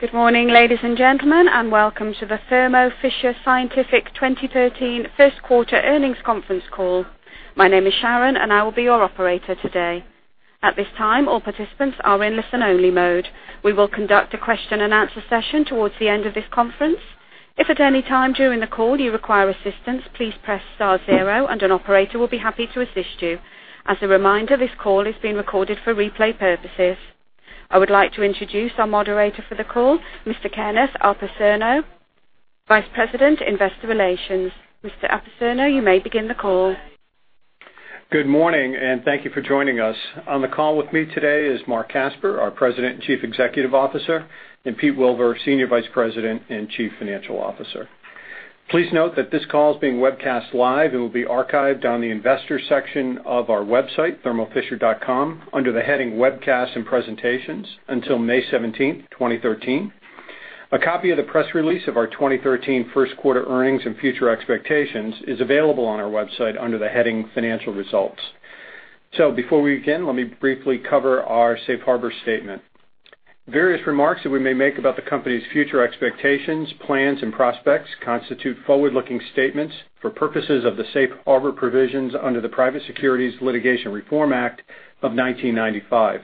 Good morning, ladies and gentlemen, and welcome to the Thermo Fisher Scientific 2013 first quarter earnings conference call. My name is Sharon and I will be your operator today. At this time, all participants are in listen-only mode. We will conduct a question-and-answer session towards the end of this conference. If at any time during the call you require assistance, please press star zero and an operator will be happy to assist you. As a reminder, this call is being recorded for replay purposes. I would like to introduce our moderator for the call, Mr. Kenneth Apicerno, Vice President, Investor Relations. Mr. Apicerno, you may begin the call. Good morning, and thank you for joining us. On the call with me today is Marc Casper, our President and Chief Executive Officer, and Peter Wilver, Senior Vice President and Chief Financial Officer. Please note that this call is being webcast live and will be archived on the investors section of our website, thermofisher.com, under the heading Webcasts and Presentations until May 17th, 2013. A copy of the press release of our 2013 first quarter earnings and future expectations is available on our website under the heading Financial Results. Before we begin, let me briefly cover our safe harbor statement. Various remarks that we may make about the company's future expectations, plans, and prospects constitute forward-looking statements for purposes of the safe harbor provisions under the Private Securities Litigation Reform Act of 1995.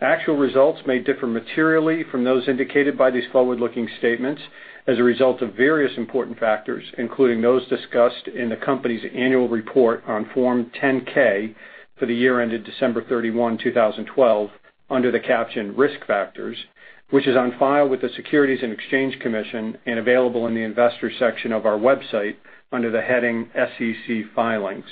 Actual results may differ materially from those indicated by these forward-looking statements as a result of various important factors, including those discussed in the company's annual report on Form 10-K for the year ended December 31, 2012, under the caption Risk Factors, which is on file with the Securities and Exchange Commission and available in the investors section of our website under the heading SEC Filings.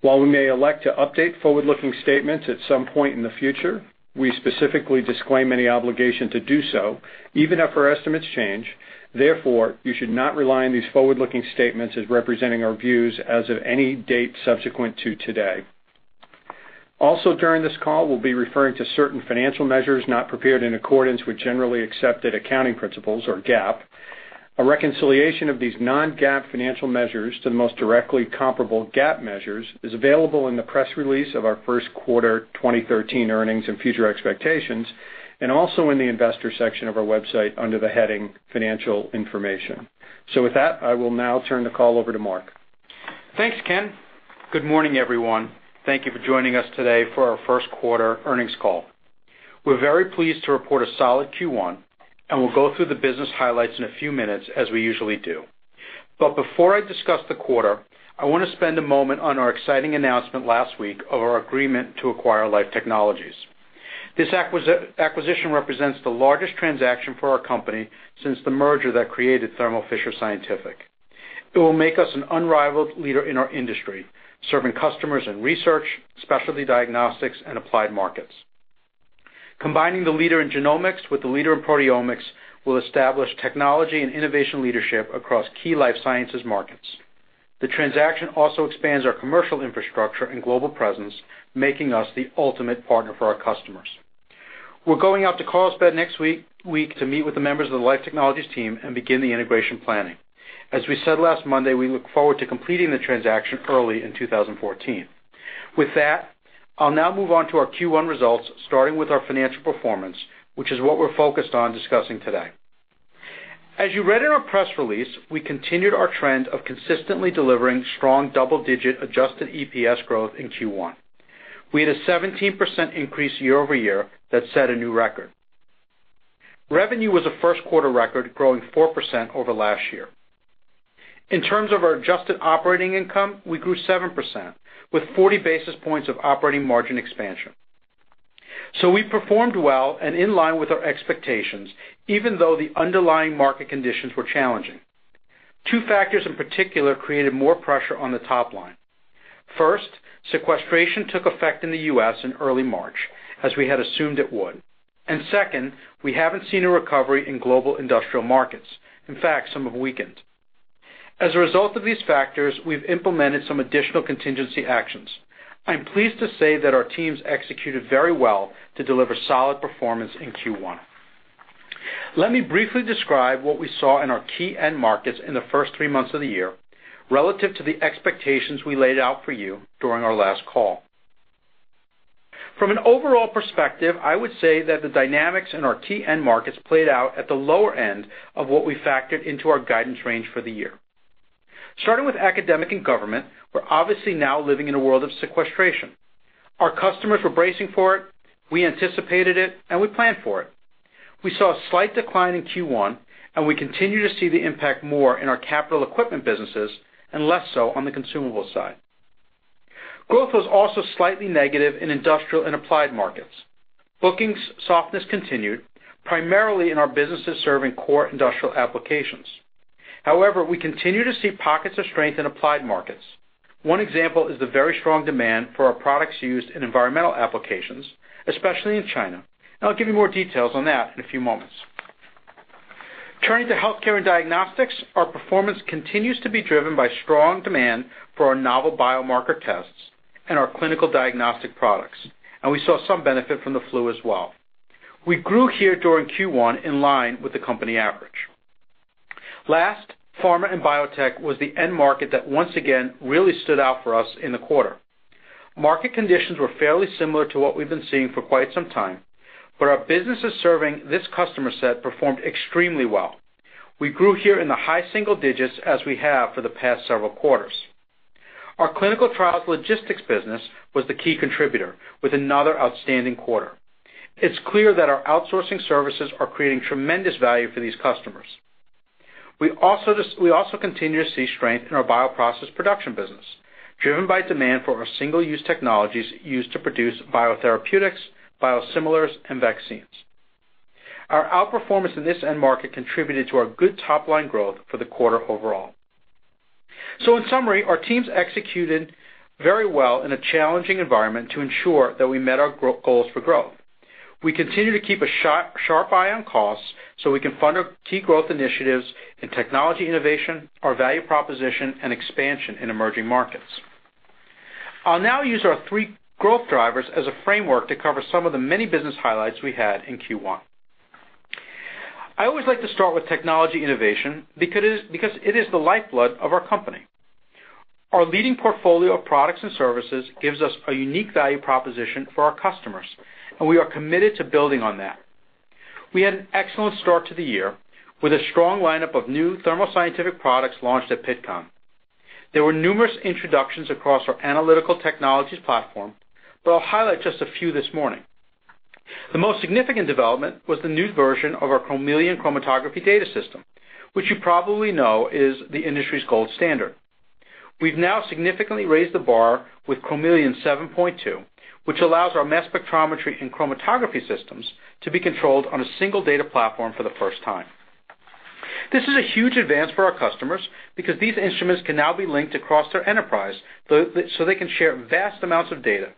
While we may elect to update forward-looking statements at some point in the future, we specifically disclaim any obligation to do so, even if our estimates change. Therefore, you should not rely on these forward-looking statements as representing our views as of any date subsequent to today. Also during this call, we'll be referring to certain financial measures not prepared in accordance with generally accepted accounting principles, or GAAP. A reconciliation of these non-GAAP financial measures to the most directly comparable GAAP measures is available in the press release of our first quarter 2013 earnings and future expectations, and also in the investor section of our website under the heading Financial Information. With that, I will now turn the call over to Marc. Thanks, Ken. Good morning, everyone. Thank you for joining us today for our first quarter earnings call. We're very pleased to report a solid Q1, and we'll go through the business highlights in a few minutes as we usually do. Before I discuss the quarter, I want to spend a moment on our exciting announcement last week of our agreement to acquire Life Technologies. This acquisition represents the largest transaction for our company since the merger that created Thermo Fisher Scientific. It will make us an unrivaled leader in our industry, serving customers in research, specialty diagnostics, and applied markets. Combining the leader in genomics with the leader in proteomics will establish technology and innovation leadership across key life sciences markets. The transaction also expands our commercial infrastructure and global presence, making us the ultimate partner for our customers. We're going out to Carlsbad next week to meet with the members of the Life Technologies team and begin the integration planning. As we said last Monday, we look forward to completing the transaction early in 2014. With that, I'll now move on to our Q1 results, starting with our financial performance, which is what we're focused on discussing today. As you read in our press release, we continued our trend of consistently delivering strong double-digit adjusted EPS growth in Q1. We had a 17% increase year-over-year that set a new record. Revenue was a first quarter record, growing 4% over last year. In terms of our adjusted operating income, we grew 7%, with 40 basis points of operating margin expansion. We performed well and in line with our expectations, even though the underlying market conditions were challenging. Two factors in particular created more pressure on the top line. First, sequestration took effect in the U.S. in early March, as we had assumed it would. Second, we haven't seen a recovery in global industrial markets. In fact, some have weakened. As a result of these factors, we've implemented some additional contingency actions. I'm pleased to say that our teams executed very well to deliver solid performance in Q1. Let me briefly describe what we saw in our key end markets in the first three months of the year, relative to the expectations we laid out for you during our last call. From an overall perspective, I would say that the dynamics in our key end markets played out at the lower end of what we factored into our guidance range for the year. Starting with academic and government, we're obviously now living in a world of sequestration. Our customers were bracing for it, we anticipated it, and we planned for it. We saw a slight decline in Q1, and we continue to see the impact more in our capital equipment businesses and less so on the consumable side. Growth was also slightly negative in industrial and applied markets. Booking softness continued, primarily in our businesses serving core industrial applications. However, we continue to see pockets of strength in applied markets. One example is the very strong demand for our products used in environmental applications, especially in China, and I'll give you more details on that in a few moments. Turning to healthcare and diagnostics, our performance continues to be driven by strong demand for our novel biomarker tests and our clinical diagnostic products, and we saw some benefit from the flu as well. We grew here during Q1 in line with the company average. Last, pharma and biotech was the end market that once again really stood out for us in the quarter. Market conditions were fairly similar to what we've been seeing for quite some time, but our businesses serving this customer set performed extremely well. We grew here in the high single digits, as we have for the past several quarters. Our clinical trials logistics business was the key contributor, with another outstanding quarter. It's clear that our outsourcing services are creating tremendous value for these customers. We also continue to see strength in our bioprocess production business, driven by demand for our single-use technologies used to produce biotherapeutics, biosimilars, and vaccines. Our outperformance in this end market contributed to our good top-line growth for the quarter overall. In summary, our teams executed very well in a challenging environment to ensure that we met our goals for growth. We continue to keep a sharp eye on costs so we can fund our key growth initiatives in technology innovation, our value proposition, and expansion in emerging markets. I'll now use our three growth drivers as a framework to cover some of the many business highlights we had in Q1. I always like to start with technology innovation because it is the lifeblood of our company. Our leading portfolio of products and services gives us a unique value proposition for our customers, and we are committed to building on that. We had an excellent start to the year, with a strong lineup of new Thermo Scientific products launched at Pittcon. There were numerous introductions across our analytical technologies platform, but I'll highlight just a few this morning. The most significant development was the new version of our Chromeleon chromatography data system, which you probably know is the industry's gold standard. We've now significantly raised the bar with Chromeleon 7.2, which allows our mass spectrometry and chromatography systems to be controlled on a single data platform for the first time. This is a huge advance for our customers because these instruments can now be linked across their enterprise, so they can share vast amounts of data.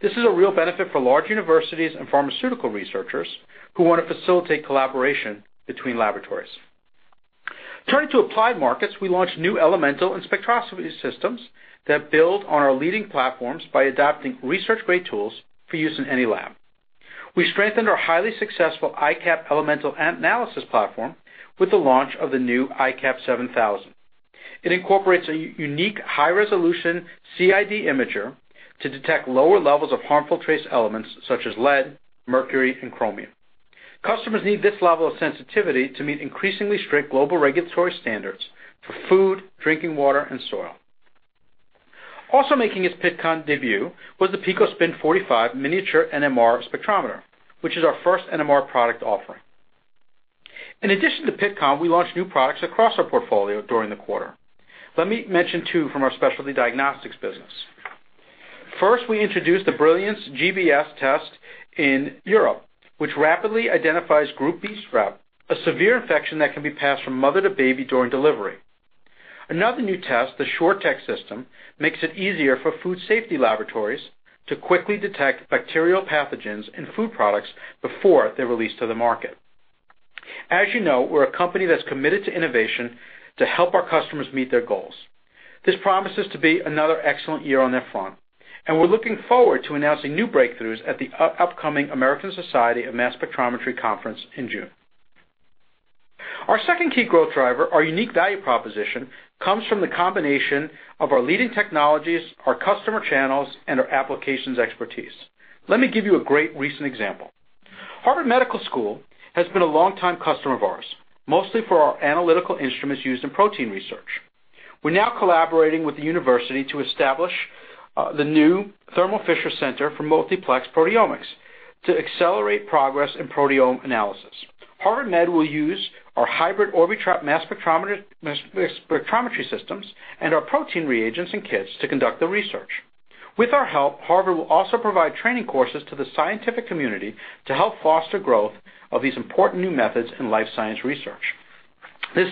This is a real benefit for large universities and pharmaceutical researchers who want to facilitate collaboration between laboratories. Turning to applied markets, we launched new elemental and spectroscopy systems that build on our leading platforms by adapting research-grade tools for use in any lab. We strengthened our highly successful iCAP elemental analysis platform with the launch of the new iCAP 7000. It incorporates a unique high-resolution CID imager to detect lower levels of harmful trace elements, such as lead, mercury, and chromium. Customers need this level of sensitivity to meet increasingly strict global regulatory standards for food, drinking water, and soil. Also making its Pittcon debut was the PicoSpin 45 miniature NMR spectrometer, which is our first NMR product offering. In addition to Pittcon, we launched new products across our portfolio during the quarter. Let me mention two from our specialty diagnostics business. First, we introduced the Brilliance GBS test in Europe, which rapidly identifies Group B Strep, a severe infection that can be passed from mother to baby during delivery. Another new test, the SureTect system, makes it easier for food safety laboratories to quickly detect bacterial pathogens in food products before they're released to the market. As you know, we're a company that's committed to innovation to help our customers meet their goals. This promises to be another excellent year on that front, and we're looking forward to announcing new breakthroughs at the upcoming American Society for Mass Spectrometry conference in June. Our second key growth driver, our unique value proposition, comes from the combination of our leading technologies, our customer channels, and our applications expertise. Let me give you a great recent example. Harvard Medical School has been a long-time customer of ours, mostly for our analytical instruments used in protein research. We're now collaborating with the university to establish the new Thermo Fisher Scientific Center for Multiplexed Proteomics to accelerate progress in proteome analysis. Harvard Med will use our hybrid Orbitrap mass spectrometry systems and our protein reagents and kits to conduct the research. With our help, Harvard will also provide training courses to the scientific community to help foster growth of these important new methods in life science research. Let me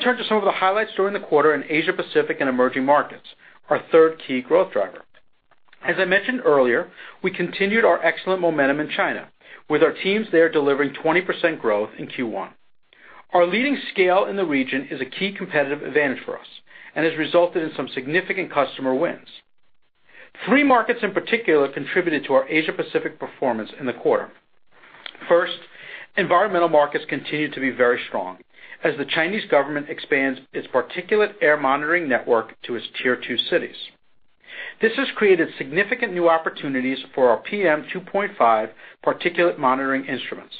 turn to some of the highlights during the quarter in Asia Pacific and emerging markets, our third key growth driver. As I mentioned earlier, we continued our excellent momentum in China, with our teams there delivering 20% growth in Q1. Our leading scale in the region is a key competitive advantage for us and has resulted in some significant customer wins. Three markets in particular contributed to our Asia Pacific performance in the quarter. First, environmental markets continued to be very strong as the Chinese government expands its particulate air monitoring network to its Tier 2 cities. This has created significant new opportunities for our PM 2.5 particulate monitoring instruments.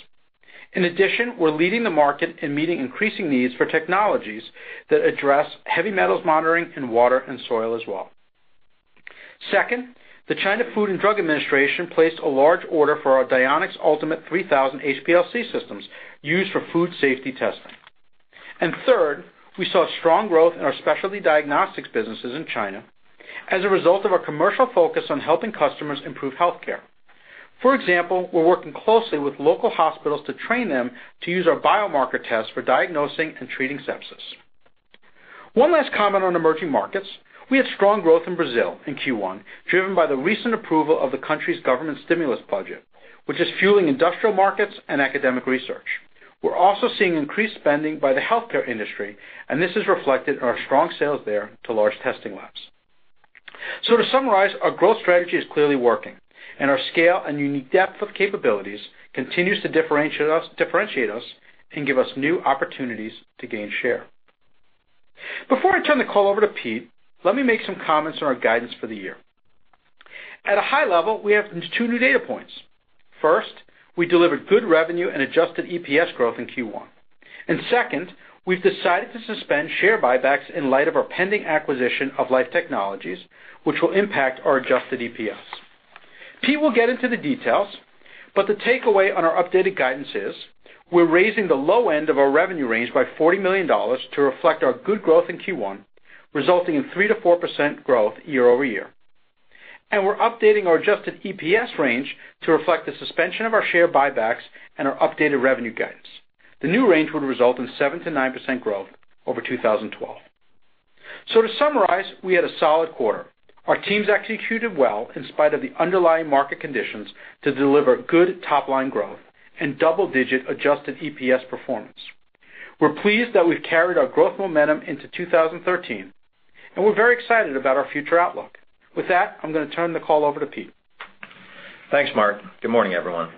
In addition, we're leading the market in meeting increasing needs for technologies that address heavy metals monitoring in water and soil as well. Second, the China Food and Drug Administration placed a large order for our Dionex UltiMate 3000 HPLC systems used for food safety testing. Third, we saw strong growth in our specialty diagnostics businesses in China as a result of our commercial focus on helping customers improve healthcare. For example, we're working closely with local hospitals to train them to use our biomarker tests for diagnosing and treating sepsis. One last comment on emerging markets. We had strong growth in Brazil in Q1, driven by the recent approval of the country's government stimulus budget, which is fueling industrial markets and academic research. We're also seeing increased spending by the healthcare industry, and this is reflected in our strong sales there to large testing labs. To summarize, our growth strategy is clearly working, and our scale and unique depth of capabilities continues to differentiate us and give us new opportunities to gain share. Before I turn the call over to Pete, let me make some comments on our guidance for the year. At a high level, we have two new data points. First, we delivered good revenue and adjusted EPS growth in Q1. Second, we've decided to suspend share buybacks in light of our pending acquisition of Life Technologies, which will impact our adjusted EPS. Pete will get into the details, but the takeaway on our updated guidance is we're raising the low end of our revenue range by $40 million to reflect our good growth in Q1, resulting in 3%-4% growth year-over-year. We're updating our adjusted EPS range to reflect the suspension of our share buybacks and our updated revenue guidance. The new range would result in 7%-9% growth over 2012. To summarize, we had a solid quarter. Our teams executed well in spite of the underlying market conditions to deliver good top-line growth and double-digit adjusted EPS performance. We're pleased that we've carried our growth momentum into 2013. We're very excited about our future outlook. With that, I'm going to turn the call over to Pete Wilver. Thanks, Marc. Good morning, everyone.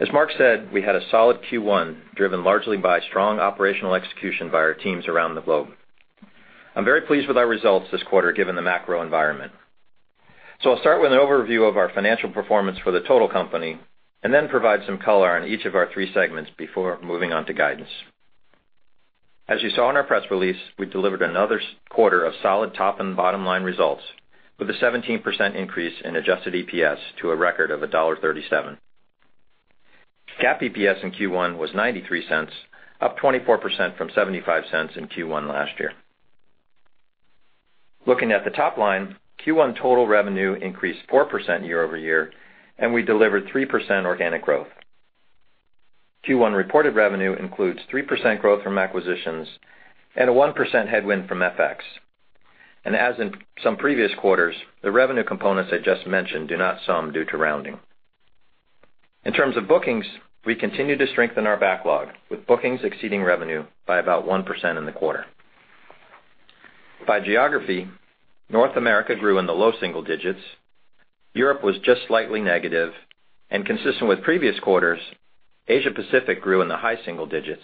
As Marc said, we had a solid Q1, driven largely by strong operational execution by our teams around the globe. I'm very pleased with our results this quarter, given the macro environment. I'll start with an overview of our financial performance for the total company, then provide some color on each of our three segments before moving on to guidance. As you saw in our press release, we delivered another quarter of solid top and bottom-line results with a 17% increase in adjusted EPS to a record of $1.37. GAAP EPS in Q1 was $0.93, up 24% from $0.75 in Q1 last year. Looking at the top line, Q1 total revenue increased 4% year-over-year. We delivered 3% organic growth. Q1 reported revenue includes 3% growth from acquisitions and a 1% headwind from FX. As in some previous quarters, the revenue components I just mentioned do not sum due to rounding. In terms of bookings, we continue to strengthen our backlog with bookings exceeding revenue by about 1% in the quarter. By geography, North America grew in the low single digits, Europe was just slightly negative. Consistent with previous quarters, Asia Pacific grew in the high single digits,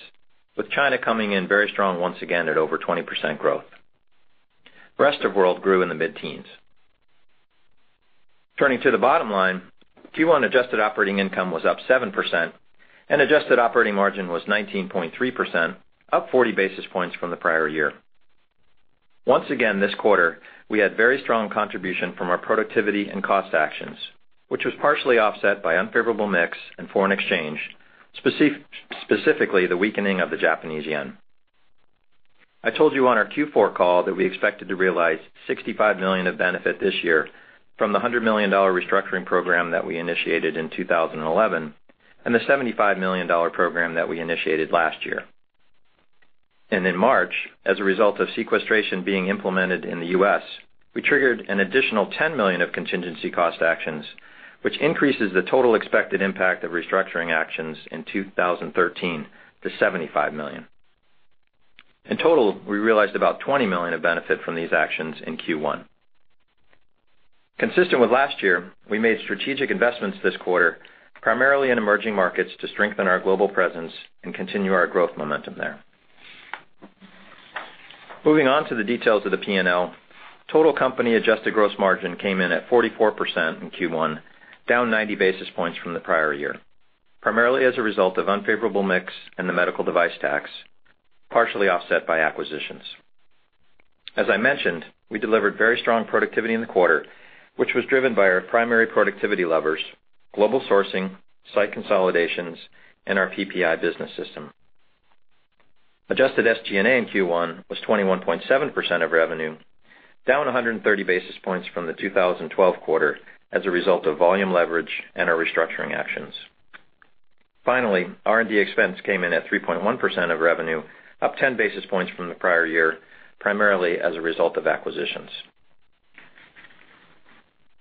with China coming in very strong once again at over 20% growth. Rest of world grew in the mid-teens. Turning to the bottom line, Q1 adjusted operating income was up 7%. Adjusted operating margin was 19.3%, up 40 basis points from the prior year. Once again this quarter, we had very strong contribution from our productivity and cost actions, which was partially offset by unfavorable mix and foreign exchange, specifically the weakening of the Japanese yen. I told you on our Q4 call that we expected to realize $65 million of benefit this year from the $100 million restructuring program that we initiated in 2011 and the $75 million program that we initiated last year. In March, as a result of sequestration being implemented in the U.S., we triggered an additional $10 million of contingency cost actions, which increases the total expected impact of restructuring actions in 2013 to $75 million. In total, we realized about $20 million of benefit from these actions in Q1. Consistent with last year, we made strategic investments this quarter, primarily in emerging markets, to strengthen our global presence and continue our growth momentum there. Moving on to the details of the P&L. Total company adjusted gross margin came in at 44% in Q1, down 90 basis points from the prior year, primarily as a result of unfavorable mix in the medical device excise tax, partially offset by acquisitions. As I mentioned, we delivered very strong productivity in the quarter, which was driven by our primary productivity levers: global sourcing, site consolidations, and our PPI business system. Adjusted SG&A in Q1 was 21.7% of revenue, down 130 basis points from the 2012 quarter as a result of volume leverage and our restructuring actions. Finally, R&D expense came in at 3.1% of revenue, up 10 basis points from the prior year, primarily as a result of acquisitions.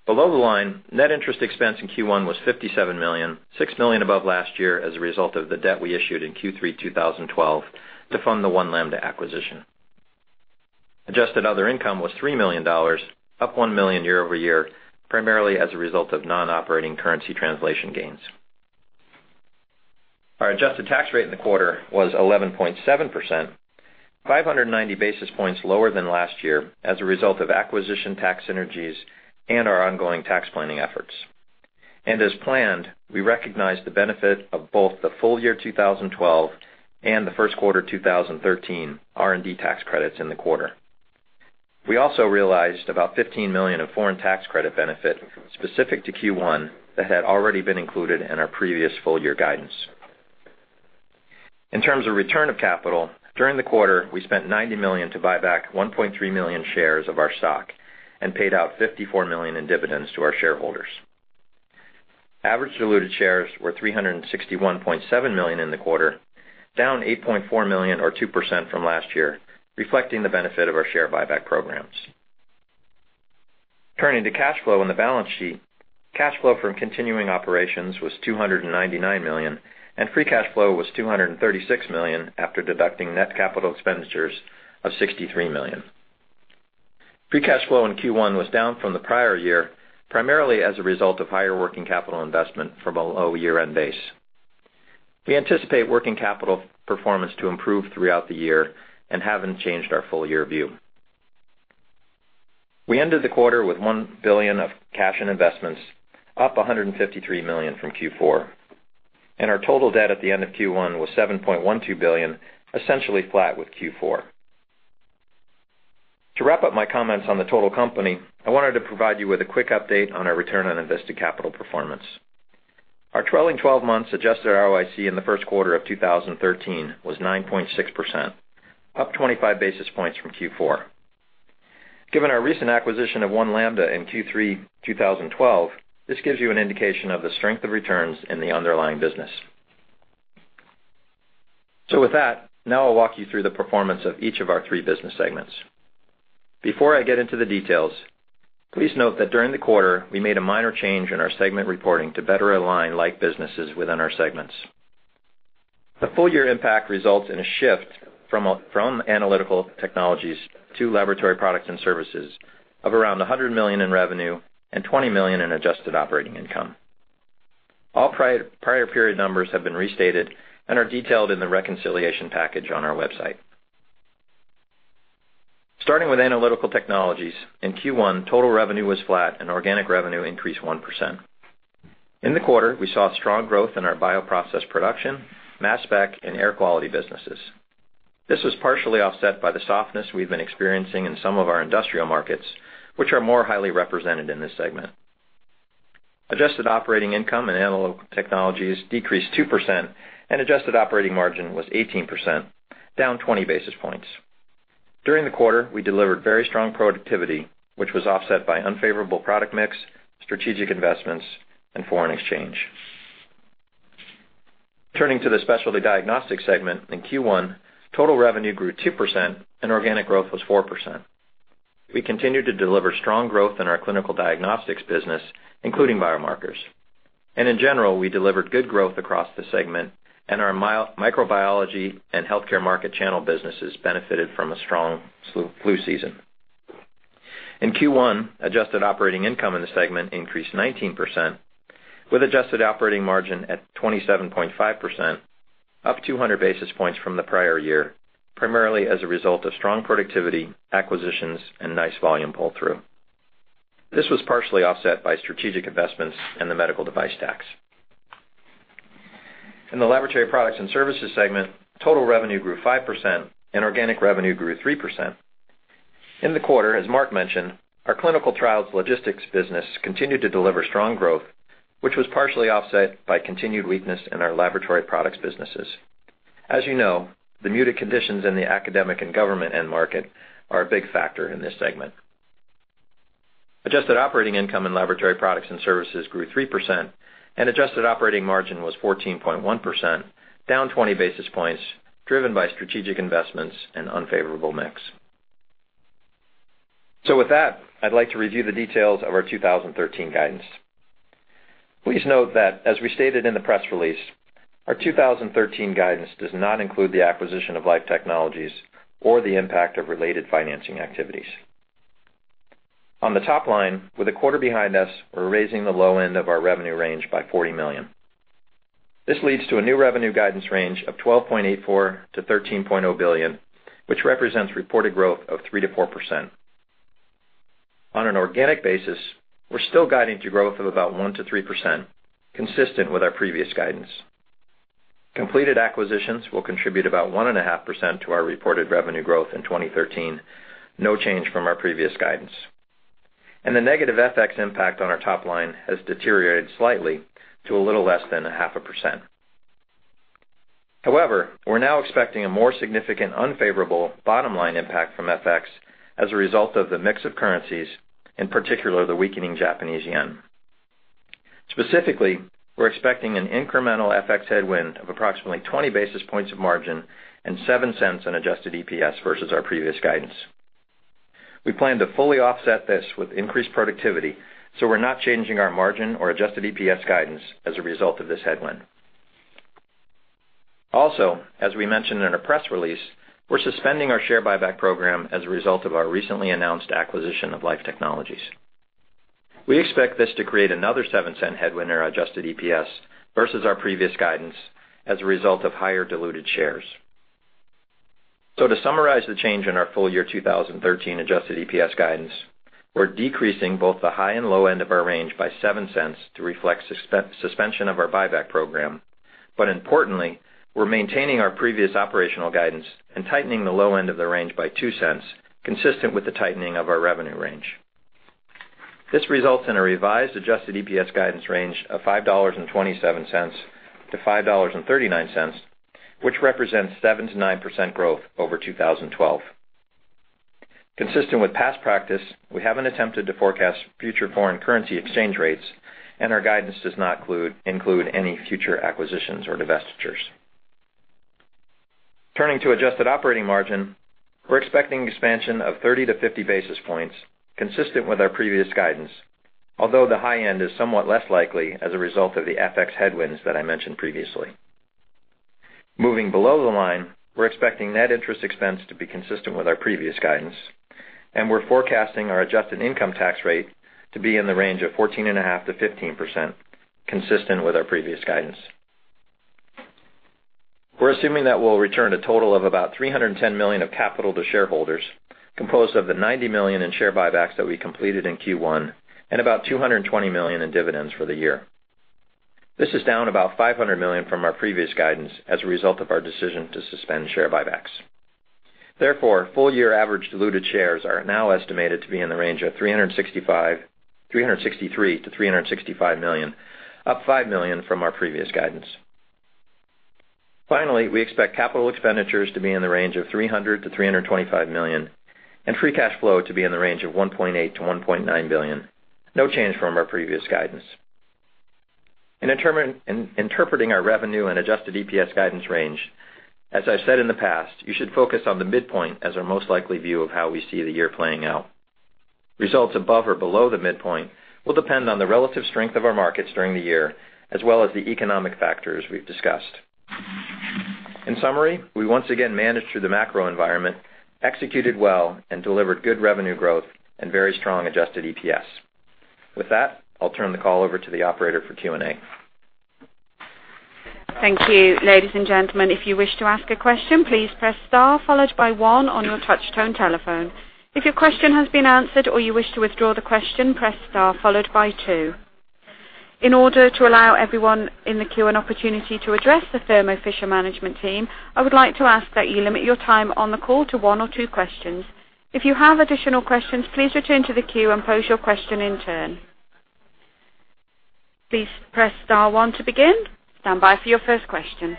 Below the line, net interest expense in Q1 was $57 million, $6 million above last year as a result of the debt we issued in Q3 2012 to fund the One Lambda acquisition. Adjusted other income was $3 million, up $1 million year over year, primarily as a result of non-operating currency translation gains. Our adjusted tax rate in the quarter was 11.7%, 590 basis points lower than last year as a result of acquisition tax synergies and our ongoing tax planning efforts. As planned, we recognized the benefit of both the full year 2012 and the first quarter 2013 R&D tax credits in the quarter. We also realized about $15 million of foreign tax credit benefit specific to Q1 that had already been included in our previous full-year guidance. In terms of return of capital, during the quarter, we spent $90 million to buy back 1.3 million shares of our stock and paid out $54 million in dividends to our shareholders. Average diluted shares were 361.7 million in the quarter, down 8.4 million or 2% from last year, reflecting the benefit of our share buyback programs. Turning to cash flow on the balance sheet, cash flow from continuing operations was $299 million and free cash flow was $236 million after deducting net capital expenditures of $63 million. Free cash flow in Q1 was down from the prior year, primarily as a result of higher working capital investment from a low year-end base. We anticipate working capital performance to improve throughout the year and haven't changed our full-year view. We ended the quarter with $1 billion of cash and investments, up $153 million from Q4, and our total debt at the end of Q1 was $7.12 billion, essentially flat with Q4. To wrap up my comments on the total company, I wanted to provide you with a quick update on our return on invested capital performance. Our trailing 12 months adjusted ROIC in the first quarter of 2013 was 9.6%, up 25 basis points from Q4. Given our recent acquisition of One Lambda in Q3 2012, this gives you an indication of the strength of returns in the underlying business. With that, now I'll walk you through the performance of each of our three business segments. Before I get into the details, please note that during the quarter, we made a minor change in our segment reporting to better align like businesses within our segments. The full-year impact results in a shift from analytical technologies to laboratory products and services of around $100 million in revenue and $20 million in adjusted operating income. All prior period numbers have been restated and are detailed in the reconciliation package on our website. Starting with analytical technologies, in Q1, total revenue was flat and organic revenue increased 1%. In the quarter, we saw strong growth in our bioprocessed production, mass spec, and air quality businesses. This was partially offset by the softness we've been experiencing in some of our industrial markets, which are more highly represented in this segment. Adjusted operating income in analytical technologies decreased 2% and adjusted operating margin was 18%, down 20 basis points. During the quarter, we delivered very strong productivity, which was offset by unfavorable product mix, strategic investments, and foreign exchange. Turning to the Specialty Diagnostics segment in Q1, total revenue grew 2% and organic growth was 4%. We continued to deliver strong growth in our clinical diagnostics business, including biomarkers. In general, we delivered good growth across the segment and our microbiology and healthcare market channel businesses benefited from a strong flu season. In Q1, adjusted operating income in the segment increased 19%, with adjusted operating margin at 27.5%, up 200 basis points from the prior year, primarily as a result of strong productivity, acquisitions, and nice volume pull-through. This was partially offset by strategic investments in the medical device tax. In the Laboratory Products and Services segment, total revenue grew 5% and organic revenue grew 3%. In the quarter, as Marc mentioned, our clinical trials logistics business continued to deliver strong growth, which was partially offset by continued weakness in our laboratory products businesses. As you know, the muted conditions in the academic and government end market are a big factor in this segment. Adjusted operating income in Laboratory Products and Services grew 3%, and adjusted operating margin was 14.1%, down 20 basis points driven by strategic investments and unfavorable mix. With that, I'd like to review the details of our 2013 guidance. Please note that as we stated in the press release, our 2013 guidance does not include the acquisition of Life Technologies or the impact of related financing activities. On the top line, with a quarter behind us, we're raising the low end of our revenue range by $40 million. This leads to a new revenue guidance range of $12.84 billion-$13.0 billion, which represents reported growth of 3%-4%. On an organic basis, we're still guiding to growth of about 1%-3%, consistent with our previous guidance. Completed acquisitions will contribute about 1.5% to our reported revenue growth in 2013, no change from our previous guidance. The negative FX impact on our top line has deteriorated slightly to a little less than 0.5%. However, we're now expecting a more significant unfavorable bottom-line impact from FX as a result of the mix of currencies, in particular, the weakening Japanese yen. Specifically, we're expecting an incremental FX headwind of approximately 20 basis points of margin and $0.07 in adjusted EPS versus our previous guidance. We plan to fully offset this with increased productivity, we're not changing our margin or adjusted EPS guidance as a result of this headwind. As we mentioned in our press release, we're suspending our share buyback program as a result of our recently announced acquisition of Life Technologies. We expect this to create another $0.07 headwind in our adjusted EPS versus our previous guidance as a result of higher diluted shares. To summarize the change in our full-year 2013 adjusted EPS guidance, we're decreasing both the high and low end of our range by $0.07 to reflect suspension of our buyback program. Importantly, we're maintaining our previous operational guidance and tightening the low end of the range by $0.02, consistent with the tightening of our revenue range. This results in a revised adjusted EPS guidance range of $5.27 to $5.39, which represents 7%-9% growth over 2012. Consistent with past practice, we haven't attempted to forecast future foreign currency exchange rates, and our guidance does not include any future acquisitions or divestitures. Turning to adjusted operating margin, we're expecting expansion of 30 to 50 basis points consistent with our previous guidance, although the high end is somewhat less likely as a result of the FX headwinds that I mentioned previously. Moving below the line, we're expecting net interest expense to be consistent with our previous guidance, and we're forecasting our adjusted income tax rate to be in the range of 14.5%-15%, consistent with our previous guidance. We're assuming that we'll return a total of about $310 million of capital to shareholders, composed of the $90 million in share buybacks that we completed in Q1 and about $220 million in dividends for the year. This is down about $500 million from our previous guidance as a result of our decision to suspend share buybacks. Therefore, full year average diluted shares are now estimated to be in the range of 363 million to 365 million, up five million from our previous guidance. Finally, we expect capital expenditures to be in the range of $300 million to $325 million, and free cash flow to be in the range of $1.8 billion to $1.9 billion, no change from our previous guidance. In interpreting our revenue and adjusted EPS guidance range, as I've said in the past, you should focus on the midpoint as our most likely view of how we see the year playing out. Results above or below the midpoint will depend on the relative strength of our markets during the year, as well as the economic factors we've discussed. In summary, we once again managed through the macro environment, executed well, and delivered good revenue growth and very strong adjusted EPS. With that, I'll turn the call over to the operator for Q&A. Thank you. Ladies and gentlemen, if you wish to ask a question, please press star followed by one on your touch-tone telephone. If your question has been answered or you wish to withdraw the question, press star followed by two. In order to allow everyone in the queue an opportunity to address the Thermo Fisher management team, I would like to ask that you limit your time on the call to one or two questions. If you have additional questions, please return to the queue and pose your question in turn. Please press star one to begin. Stand by for your first question.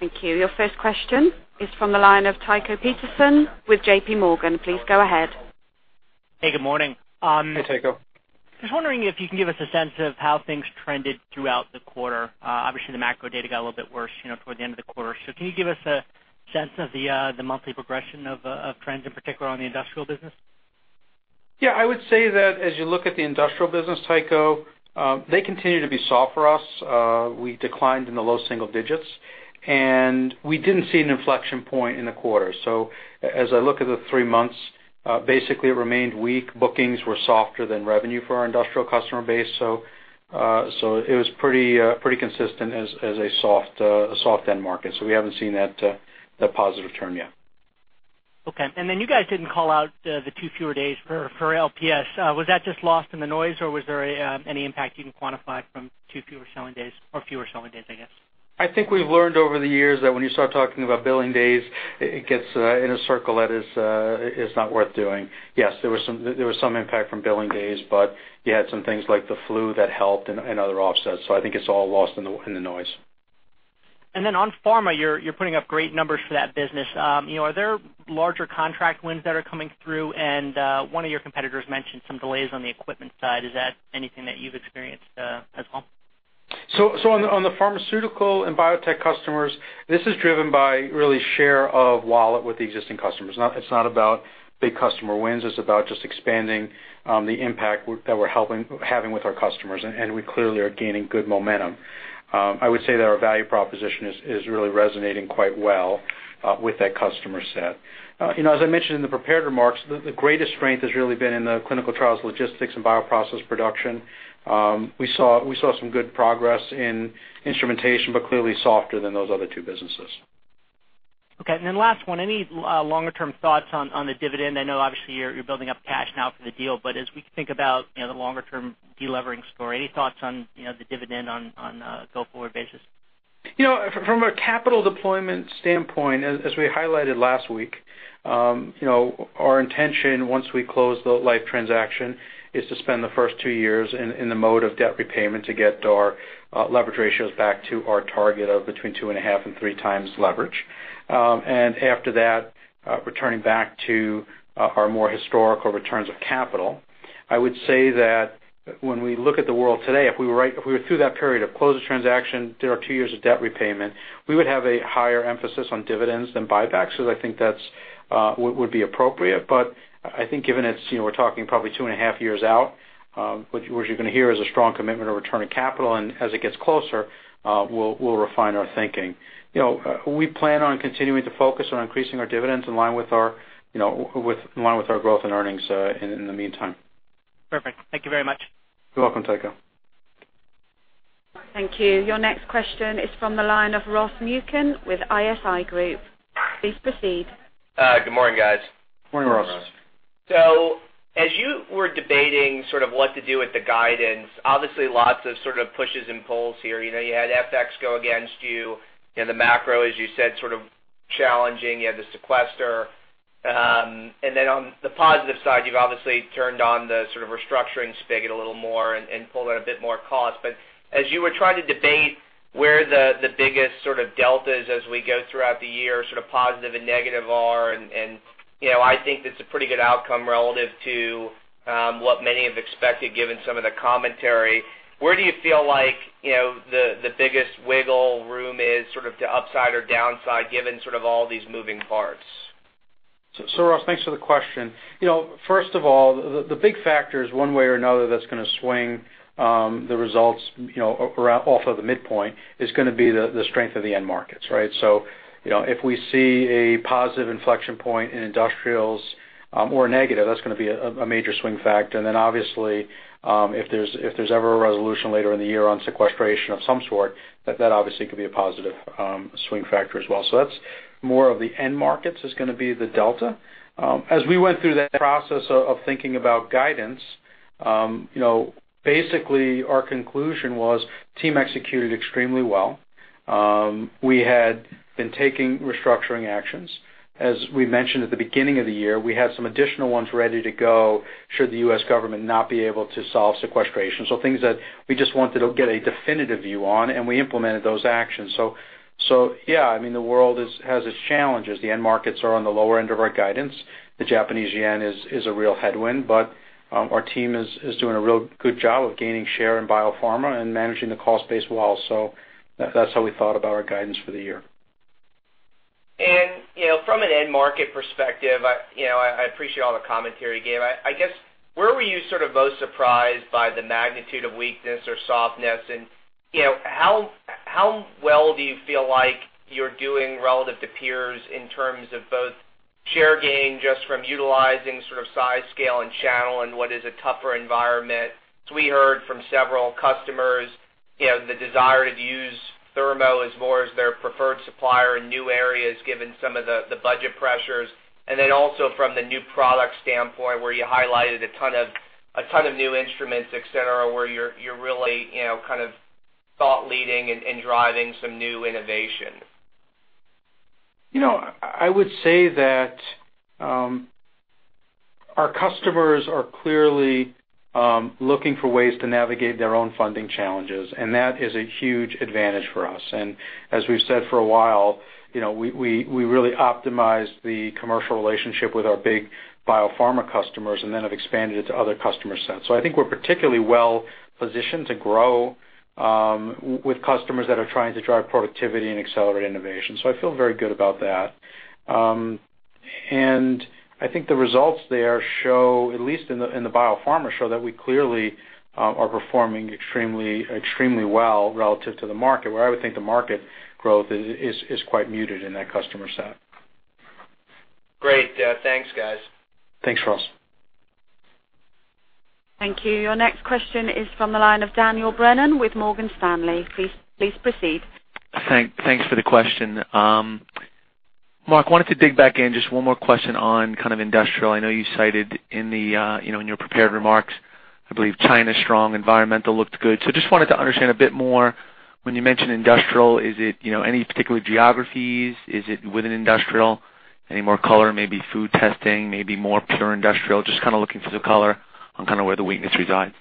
Thank you. Your first question is from the line of Tycho Peterson with J.P. Morgan. Please go ahead. Hey, good morning. Hey, Tycho. Just wondering if you can give us a sense of how things trended throughout the quarter. Obviously, the macro data got a little bit worse toward the end of the quarter. Can you give us a sense of the monthly progression of trends, in particular on the industrial business? Yeah, I would say that as you look at the industrial business, Tycho, they continue to be soft for us. We declined in the low single digits, and we didn't see an inflection point in the quarter. As I look at the three months, basically it remained weak. Bookings were softer than revenue for our industrial customer base. It was pretty consistent as a soft end market, so we haven't seen that positive turn yet. Okay. You guys didn't call out the two fewer days for LPS. Was that just lost in the noise or was there any impact you can quantify from two fewer selling days or fewer selling days, I guess? I think we've learned over the years that when you start talking about billing days, it gets in a circle that is not worth doing. Yes, there was some impact from billing days, but you had some things like the flu that helped and other offsets. I think it's all lost in the noise. On pharma, you're putting up great numbers for that business. Are there larger contract wins that are coming through? One of your competitors mentioned some delays on the equipment side. Is that anything that you've experienced as well? On the pharmaceutical and biotech customers, this is driven by really share of wallet with the existing customers. It's not about big customer wins. It's about just expanding the impact that we're having with our customers, we clearly are gaining good momentum. I would say that our value proposition is really resonating quite well with that customer set. As I mentioned in the prepared remarks, the greatest strength has really been in the clinical trials logistics and bioprocess production. We saw some good progress in instrumentation, but clearly softer than those other two businesses. Okay. Last one, any longer-term thoughts on the dividend? I know obviously you're building up cash now for the deal, but as we think about the longer-term de-levering story, any thoughts on the dividend on a go-forward basis? From a capital deployment standpoint, as we highlighted last week, our intention once we close the Life transaction is to spend the first two years in the mode of debt repayment to get our leverage ratios back to our target of between two and a half and three times leverage. After that, returning back to our more historical returns of capital. I would say that when we look at the world today, if we were through that period of close the transaction, do our two years of debt repayment, we would have a higher emphasis on dividends than buybacks because I think that would be appropriate. I think given we're talking probably two and a half years out, what you're going to hear is a strong commitment to returning capital, and as it gets closer, we'll refine our thinking. We plan on continuing to focus on increasing our dividends in line with our growth and earnings in the meantime. Perfect. Thank you very much. You're welcome, Tycho. Thank you. Your next question is from the line of Ross Muken with ISI Group. Please proceed. Good morning, guys. Morning, Ross. Morning. As you were debating sort of what to do with the guidance, obviously lots of sort of pushes and pulls here. You had FX go against you, the macro, as you said, sort of challenging, you had the sequester. On the positive side, you've obviously turned on the sort of restructuring spigot a little more and pulled out a bit more cost. As you were trying to debate where the biggest sort of deltas as we go throughout the year, positive and negative are, and I think it's a pretty good outcome relative to what many have expected, given some of the commentary. Where do you feel like the biggest wiggle room is to upside or downside, given all these moving parts? Ross, thanks for the question. First of all, the big factor is one way or another that's going to swing the results, off of the midpoint is going to be the strength of the end markets, right? If we see a positive inflection point in industrials or negative, that's going to be a major swing factor. Obviously, if there's ever a resolution later in the year on sequestration of some sort, that obviously could be a positive swing factor as well. That's more of the end markets is going to be the delta. As we went through that process of thinking about guidance, basically, our conclusion was team executed extremely well. We had been taking restructuring actions. As we mentioned at the beginning of the year, we had some additional ones ready to go should the U.S. government not be able to solve sequestration. Things that we just wanted to get a definitive view on, and we implemented those actions. Yeah, I mean, the world has its challenges. The end markets are on the lower end of our guidance. The Japanese yen is a real headwind, but our team is doing a real good job of gaining share in biopharma and managing the cost base well. That's how we thought about our guidance for the year. From an end market perspective, I appreciate all the commentary you gave. I guess, where were you most surprised by the magnitude of weakness or softness? How well do you feel like you're doing relative to peers in terms of both share gain, just from utilizing size, scale and channel and what is a tougher environment? We heard from several customers, the desire to use Thermo as more as their preferred supplier in new areas, given some of the budget pressures, and then also from the new product standpoint, where you highlighted a ton of new instruments, et cetera, where you're really kind of thought leading and driving some new innovation. I would say that our customers are clearly looking for ways to navigate their own funding challenges, and that is a huge advantage for us. As we've said for a while, we really optimize the commercial relationship with our big biopharma customers and then have expanded it to other customer sets. I think we're particularly well-positioned to grow with customers that are trying to drive productivity and accelerate innovation. I feel very good about that. I think the results there show, at least in the biopharma, show that we clearly are performing extremely well relative to the market, where I would think the market growth is quite muted in that customer set. Great. Thanks, guys. Thanks, Ross. Thank you. Your next question is from the line of Daniel Brennan with Morgan Stanley. Please proceed. Thanks for the question. Marc, wanted to dig back in, just one more question on kind of industrial. I know I cited in your prepared remarks, I believe China is strong, environmental looked good. Just wanted to understand a bit more, when you mention industrial, is it any particular geographies? Is it within industrial? Any more color, maybe food testing, maybe more pure industrial. Just looking for the color on where the weakness resides.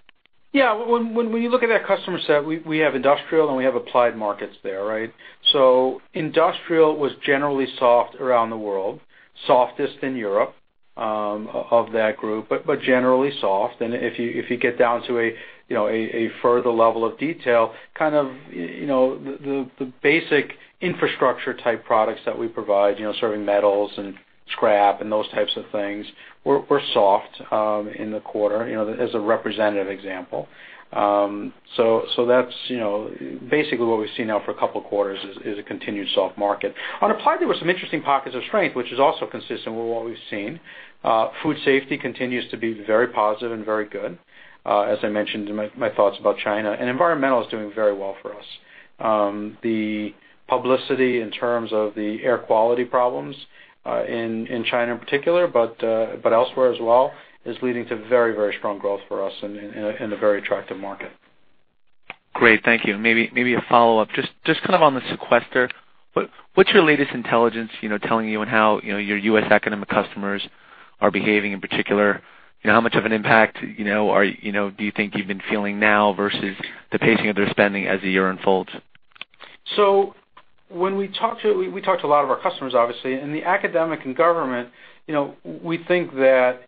When you look at our customer set, we have industrial, and we have applied markets there, right? Industrial was generally soft around the world, softest in Europe of that group, but generally soft. If you get down to a further level of detail, the basic infrastructure type products that we provide, serving metals and scrap and those types of things were soft in the quarter, as a representative example. That's basically what we've seen now for a couple of quarters is a continued soft market. On applied, there were some interesting pockets of strength, which is also consistent with what we've seen. Food safety continues to be very positive and very good, as I mentioned in my thoughts about China, and environmental is doing very well for us. The publicity in terms of the air quality problems, in China in particular, but elsewhere as well, is leading to very strong growth for us in a very attractive market. Great. Thank you. Maybe a follow-up. Just on the sequester, what's your latest intelligence telling you on how your U.S. academic customers are behaving in particular? How much of an impact do you think you've been feeling now versus the pacing of their spending as the year unfolds? We talked to a lot of our customers, obviously. In the academic and government, we think that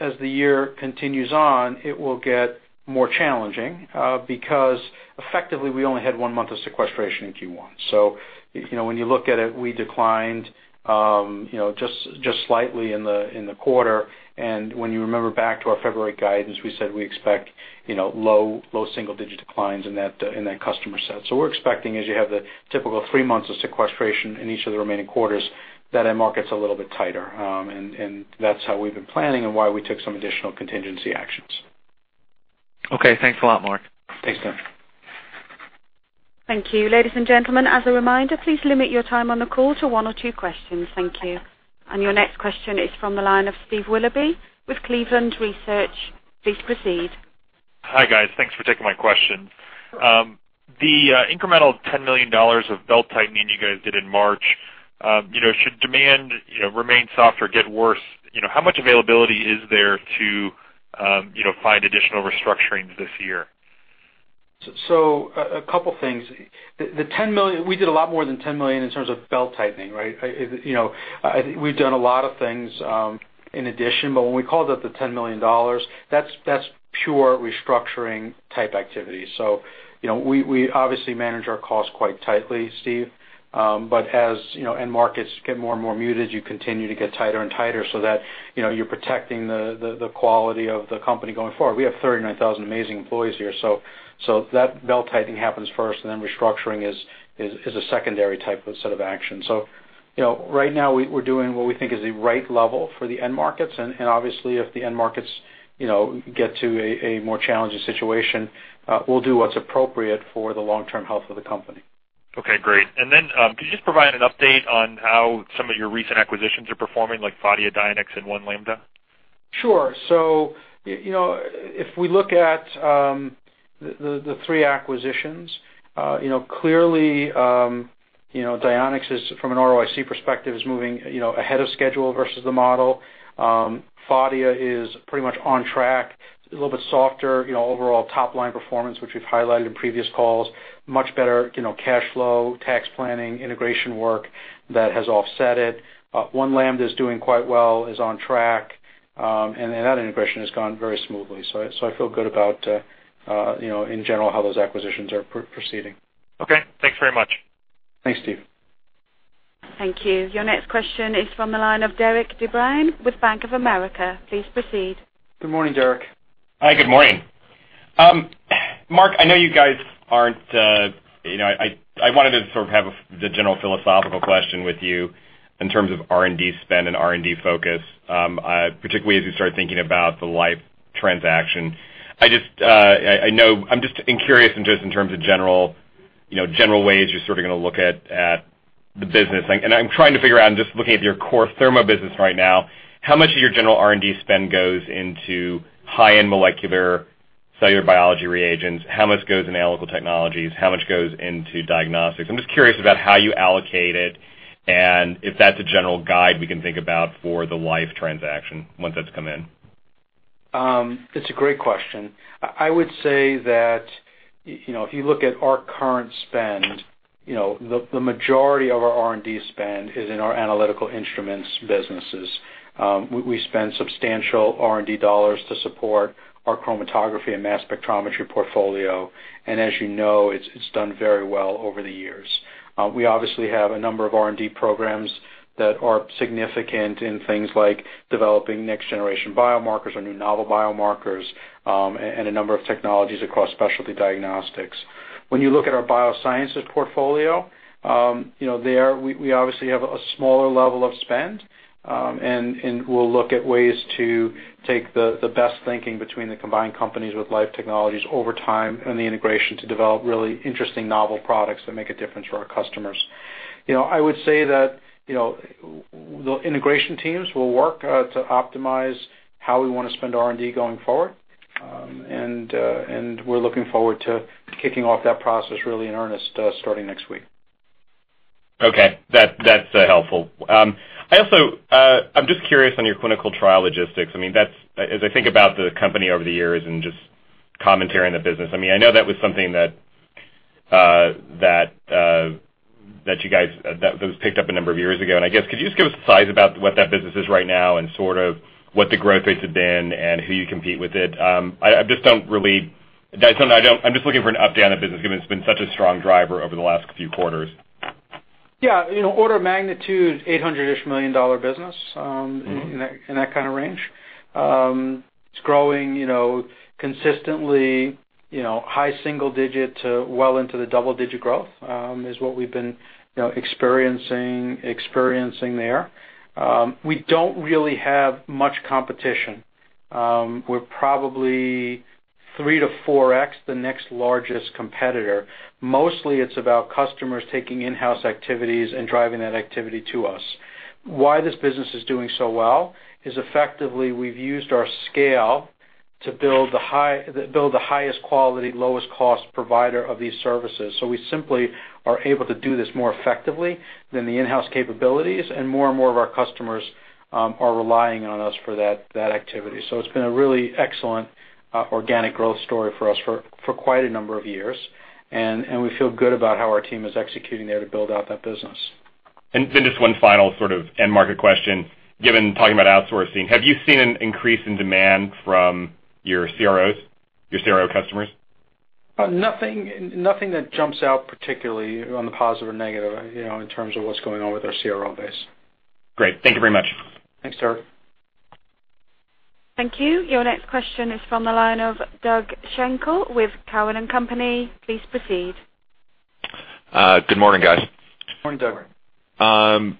as the year continues on, it will get more challenging because effectively, we only had one month of sequestration in Q1. When you look at it, we declined just slightly in the quarter. When you remember back to our February guidance, we said we expect low single-digit declines in that customer set. What we're expecting is you have the typical three months of sequestration in each of the remaining quarters, that end market's a little bit tighter. That's how we've been planning and why we took some additional contingency actions. Okay. Thanks a lot, Marc. Thanks, Dan. Thank you. Ladies and gentlemen, as a reminder, please limit your time on the call to one or two questions. Thank you. Your next question is from the line of Steve Willoughby with Cleveland Research. Please proceed. Hi, guys. Thanks for taking my question. The incremental $10 million of belt-tightening you guys did in March. Should demand remain soft or get worse, how much availability is there to find additional restructurings this year? A couple things. We did a lot more than $10 million in terms of belt-tightening, right? We've done a lot of things in addition, but when we called out the $10 million, that's pure restructuring-type activity. We obviously manage our costs quite tightly, Steve. As end markets get more and more muted, you continue to get tighter and tighter so that you're protecting the quality of the company going forward. We have 39,000 amazing employees here. That belt-tightening happens first, and then restructuring is a secondary type of set of action. Right now, we're doing what we think is the right level for the end markets, and obviously if the end markets get to a more challenging situation, we'll do what's appropriate for the long-term health of the company. Okay, great. Could you just provide an update on how some of your recent acquisitions are performing, like Phadia, Dionex, and One Lambda? Sure. If we look at the three acquisitions, clearly, Dionex, from an ROIC perspective, is moving ahead of schedule versus the model. Phadia is pretty much on track, a little bit softer overall top-line performance, which we've highlighted in previous calls. Much better cash flow, tax planning, integration work that has offset it. One Lambda is doing quite well, is on track, and that integration has gone very smoothly. I feel good about, in general, how those acquisitions are proceeding. Okay, thanks very much. Thanks, Steve. Thank you. Your next question is from the line of Derik de Bruin with Bank of America. Please proceed. Good morning, Derik. Hi, good morning. Marc, I know you guys I wanted to sort of have the general philosophical question with you in terms of R&D spend and R&D focus, particularly as you start thinking about the Life transaction. I'm just curious in terms of general ways you're going to look at the business. I'm trying to figure out, I'm just looking at your core Thermo business right now, how much of your general R&D spend goes into high-end molecular cellular biology reagents? How much goes in analytical technologies? How much goes into diagnostics? I'm just curious about how you allocate it and if that's a general guide we can think about for the Life transaction once that's come in. It's a great question. I would say that if you look at our current spend, the majority of our R&D spend is in our analytical instruments businesses. We spend substantial R&D dollars to support our chromatography and mass spectrometry portfolio. As you know, it's done very well over the years. We obviously have a number of R&D programs that are significant in things like developing next-generation biomarkers or new novel biomarkers, and a number of technologies across specialty diagnostics. When you look at our biosciences portfolio, there, we obviously have a smaller level of spend, and we'll look at ways to take the best thinking between the combined companies with Life Technologies over time and the integration to develop really interesting novel products that make a difference for our customers. I would say that the integration teams will work to optimize how we want to spend R&D going forward. We're looking forward to kicking off that process really in earnest starting next week. Okay. That's helpful. I'm just curious on your clinical trial logistics. As I think about the company over the years and just commentary in the business, I know that was something that was picked up a number of years ago, I guess could you just give us a size about what that business is right now and sort of what the growth rates have been and who you compete with it? I'm just looking for an update on that business, given it's been such a strong driver over the last few quarters. Order of magnitude, $800-ish million business, in that kind of range. It's growing consistently high single digit to well into the double-digit growth, is what we've been experiencing there. We don't really have much competition. We're probably 3 to 4x the next largest competitor. Mostly it's about customers taking in-house activities and driving that activity to us. Why this business is doing so well is effectively we've used our scale to build the highest quality, lowest cost provider of these services. We simply are able to do this more effectively than the in-house capabilities, and more and more of our customers are relying on us for that activity. It's been a really excellent organic growth story for us for quite a number of years, and we feel good about how our team is executing there to build out that business. Just one final end market question, given talking about outsourcing, have you seen an increase in demand from your CRO customers? Nothing that jumps out particularly on the positive or negative in terms of what's going on with our CRO base. Great. Thank you very much. Thanks, Derik. Thank you. Your next question is from the line of Doug Schenkel with Cowen and Company. Please proceed. Good morning, guys. Morning, Doug.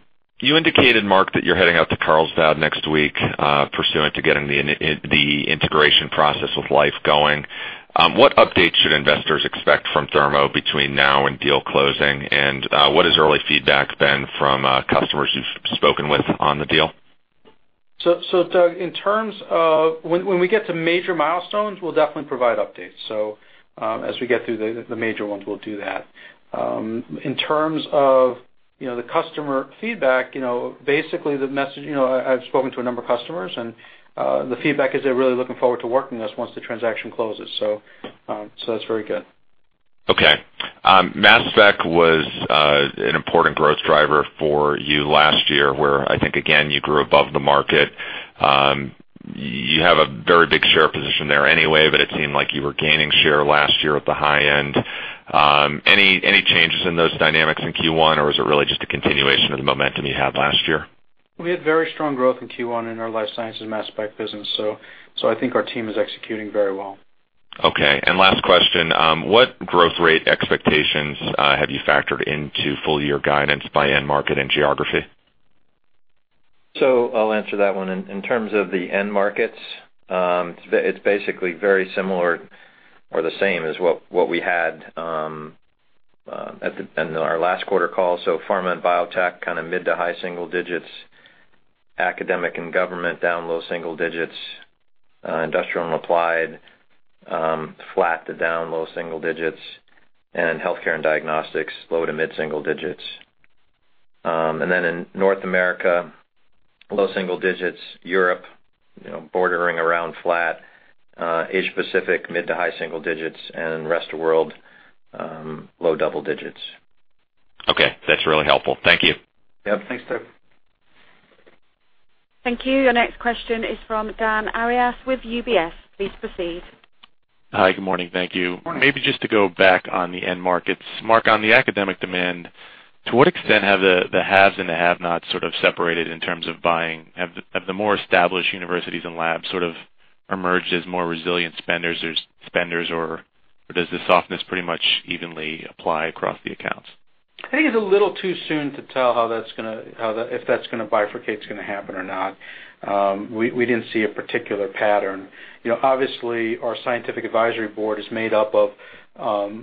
You indicated, Marc, that you're heading out to Carlsbad next week, pursuant to getting the integration process with Life going. What updates should investors expect from Thermo between now and deal closing? What has early feedback been from customers you've spoken with on the deal? Doug, when we get to major milestones, we'll definitely provide updates. As we get through the major ones, we'll do that. In terms of the customer feedback, basically, I've spoken to a number of customers, the feedback is they're really looking forward to working with us once the transaction closes. That's very good. Okay. Mass spec was an important growth driver for you last year, where I think, again, you grew above the market. You have a very big share position there anyway, but it seemed like you were gaining share last year at the high end. Any changes in those dynamics in Q1, or was it really just a continuation of the momentum you had last year? We had very strong growth in Q1 in our life sciences mass spec business. I think our team is executing very well. Okay, last question. What growth rate expectations have you factored into full-year guidance by end market and geography? I'll answer that one. In terms of the end markets, it's basically very similar or the same as what we had in our last quarter call. Pharma and biotech, mid to high single digits. Academic and government, down low single digits. Industrial and applied, flat to down low single digits. Healthcare and diagnostics, low to mid single digits. In North America, low single digits. Europe, bordering around flat. Asia Pacific, mid to high single digits. Rest of world, low double digits. Okay. That's really helpful. Thank you. Yeah. Thanks, Doug. Thank you. Your next question is from Daniel Arias with UBS. Please proceed. Hi. Good morning. Thank you. Good morning. Maybe just to go back on the end markets. Marc, on the academic demand, to what extent have the haves and the have-nots separated in terms of buying? Have the more established universities and labs emerged as more resilient spenders or does the softness pretty much evenly apply across the accounts? I think it's a little too soon to tell if that's going to bifurcate, it's going to happen or not. We didn't see a particular pattern. Obviously, our scientific advisory board is made up of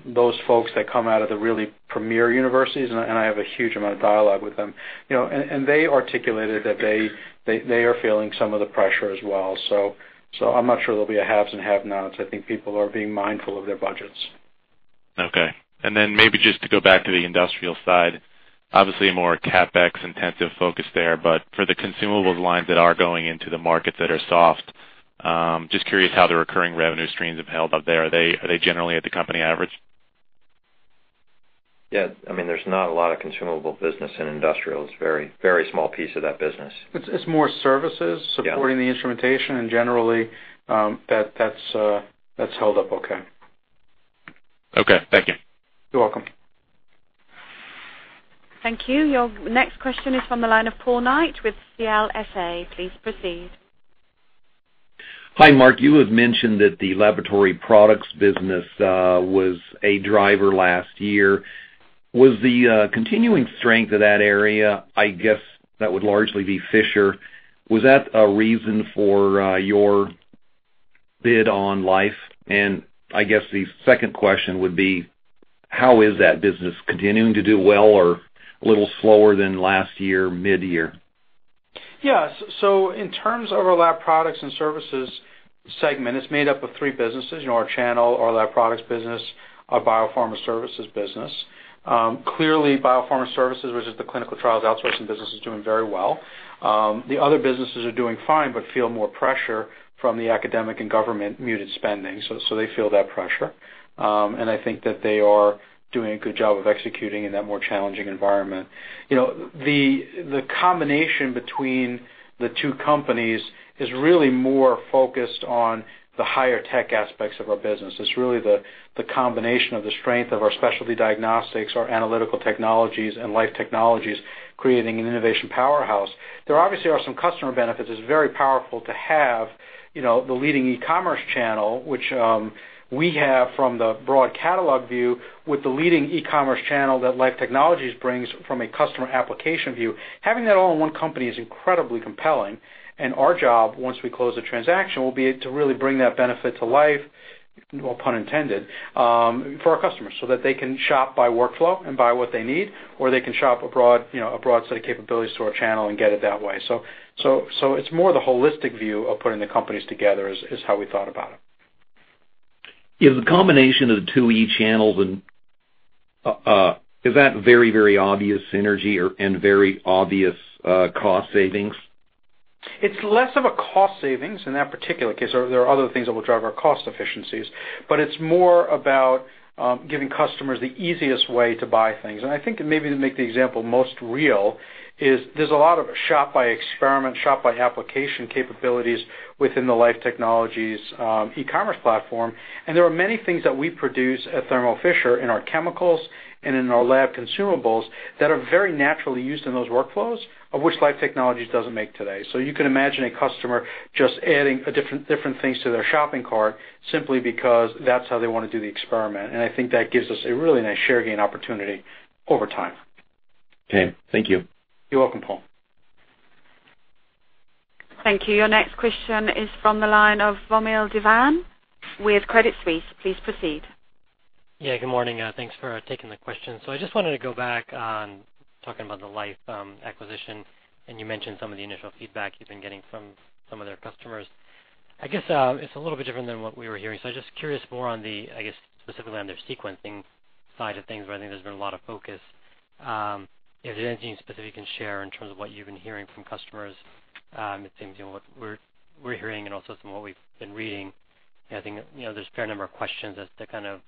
those folks that come out of the really premier universities, and I have a huge amount of dialogue with them. They articulated that they are feeling some of the pressure as well. I'm not sure there'll be a haves and have-nots. I think people are being mindful of their budgets. Okay. Maybe just to go back to the industrial side, obviously a more CapEx-intensive focus there, but for the consumables lines that are going into the markets that are soft, just curious how the recurring revenue streams have held up there. Are they generally at the company average? Yeah. There's not a lot of consumable business in industrial. It's very small piece of that business. It's more services. Yeah supporting the instrumentation, generally, that's held up okay. Okay, thank you. You're welcome. Thank you. Your next question is from the line of Paul Knight with CLSA. Please proceed. Hi, Marc. You have mentioned that the laboratory products business was a driver last year. Was the continuing strength of that area, I guess that would largely be Fisher, was that a reason for your bid on Life? I guess the second question would be, how is that business continuing to do well or a little slower than last year, mid-year? In terms of our lab products and services segment, it's made up of 3 businesses, our channel, our lab products business, our biopharma services business. Clearly, biopharma services versus the clinical trials outsourcing business is doing very well. The other businesses are doing fine but feel more pressure from the academic and government muted spending. They feel that pressure. I think that they are doing a good job of executing in that more challenging environment. The combination between the two companies is really more focused on the higher tech aspects of our business. It's really the combination of the strength of our Specialty Diagnostics, our analytical technologies, and Life Technologies creating an innovation powerhouse. There obviously are some customer benefits. It's very powerful to have the leading e-commerce channel, which we have from the broad catalog view, with the leading e-commerce channel that Life Technologies brings from a customer application view. Having that all in one company is incredibly compelling, and our job, once we close the transaction, will be to really bring that benefit to life, no pun intended, for our customers so that they can shop by workflow and buy what they need, or they can shop a broad set of capabilities to our channel and get it that way. It's more the holistic view of putting the companies together is how we thought about it. Is the combination of the two e-channels, is that very obvious synergy and very obvious cost savings? It's less of a cost savings in that particular case. There are other things that will drive our cost efficiencies, but it's more about giving customers the easiest way to buy things. I think maybe to make the example most real is there's a lot of shop-by-experiment, shop-by-application capabilities within the Life Technologies e-commerce platform. There are many things that we produce at Thermo Fisher in our chemicals and in our lab consumables that are very naturally used in those workflows, of which Life Technologies doesn't make today. You can imagine a customer just adding different things to their shopping cart simply because that's how they want to do the experiment. I think that gives us a really nice share gain opportunity over time. Okay. Thank you. You're welcome, Paul. Thank you. Your next question is from the line of [Romeo Devan] with Credit Suisse. Please proceed. Good morning. Thanks for taking the question. I just wanted to go back on talking about the Life acquisition, and you mentioned some of the initial feedback you've been getting from some of their customers. It's a little bit different than what we were hearing. I'm just curious more on the specifically on their sequencing side of things, where there's been a lot of focus. Is there anything specific you can share in terms of what you've been hearing from customers? It seems, what we're hearing and also from what we've been reading, there's a fair number of questions as to kind of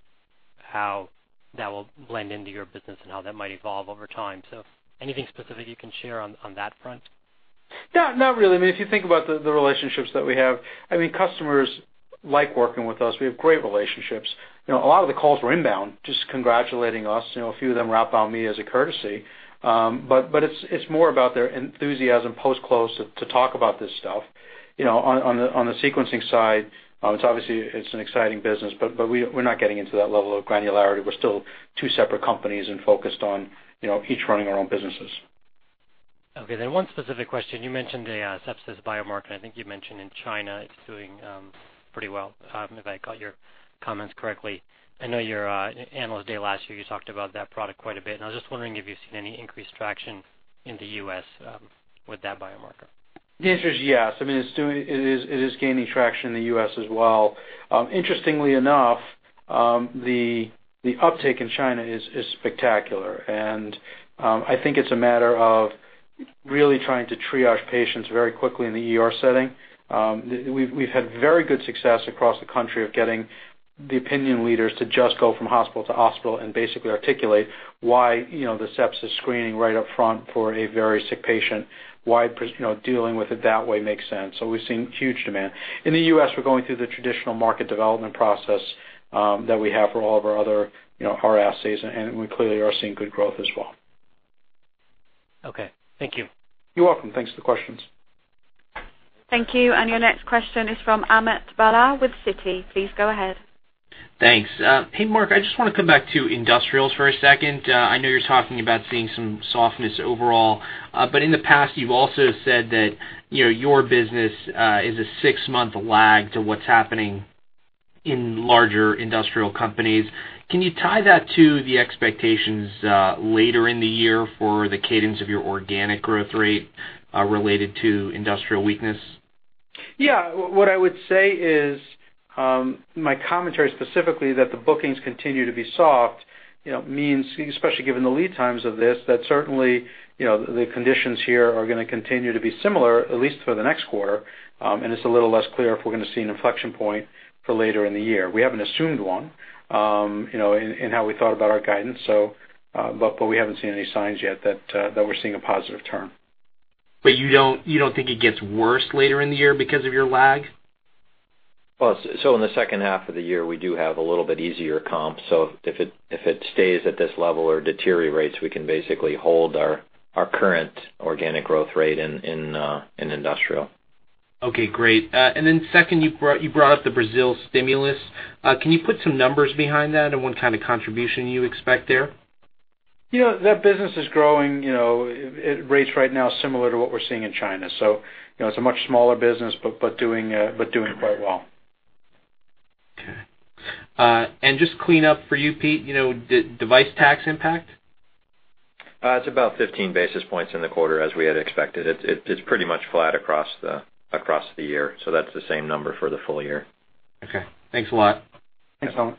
how that will blend into your business and how that might evolve over time. Anything specific you can share on that front? Not really. If you think about the relationships that we have, customers like working with us. We have great relationships. A lot of the calls were inbound, just congratulating us. A few of them were outbound me as a courtesy. It's more about their enthusiasm post-close to talk about this stuff. On the sequencing side, it's obviously, it's an exciting business, but we're not getting into that level of granularity. We're still two separate companies and focused on each running our own businesses. One specific question. You mentioned the sepsis biomarker, and you mentioned in China it's doing pretty well, if I caught your comments correctly. I know your analyst day last year, you talked about that product quite a bit, and I was just wondering if you've seen any increased traction in the U.S. with that biomarker. The answer is yes. It is gaining traction in the U.S. as well. Interestingly enough, the uptake in China is spectacular, and it's a matter of really trying to triage patients very quickly in the ER setting. We've had very good success across the country of getting the opinion leaders to just go from hospital to hospital and basically articulate why the sepsis screening right up front for a very sick patient, why dealing with it that way makes sense. We've seen huge demand. In the U.S., we're going through the traditional market development process that we have for all of our other assays, and we clearly are seeing good growth as well. Okay. Thank you. You're welcome. Thanks for the questions. Thank you. Your next question is from Amit Bhalla with Citi. Please go ahead. Thanks. Hey, Marc, I just want to come back to industrials for a second. I know you're talking about seeing some softness overall. In the past, you've also said that your business is a six-month lag to what's happening in larger industrial companies. Can you tie that to the expectations later in the year for the cadence of your organic growth rate related to industrial weakness? Yeah. What I would say is my commentary specifically that the bookings continue to be soft means, especially given the lead times of this, that certainly the conditions here are going to continue to be similar, at least for the next quarter, and it's a little less clear if we're going to see an inflection point for later in the year. We haven't assumed one in how we thought about our guidance. We haven't seen any signs yet that we're seeing a positive turn. You don't think it gets worse later in the year because of your lag? In the second half of the year, we do have a little bit easier comp. If it stays at this level or deteriorates, we can basically hold our current organic growth rate in industrial. Okay, great. Second, you brought up the Brazil stimulus. Can you put some numbers behind that and what kind of contribution you expect there? Yeah. That business is growing at rates right now similar to what we're seeing in China. It's a much smaller business but doing quite well. Okay. Just clean up for you, Pete, the device tax impact? It's about 15 basis points in the quarter as we had expected. It's pretty much flat across the year. That's the same number for the full year. Okay. Thanks a lot. Thanks, Amit.